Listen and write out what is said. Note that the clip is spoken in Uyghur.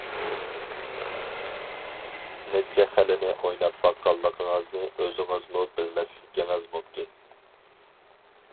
نەچچە خىلىنى ئويناپ باققانلىقىڭىزنى ئۆزىڭىزمۇ بىلمەسلىكىڭىز مۇمكىن.